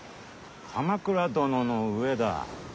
鎌倉殿の上だ。